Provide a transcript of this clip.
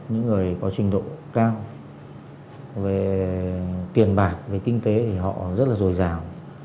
những người có trình độ cao về tiền bạc về kinh tế thì họ rất là dồi dào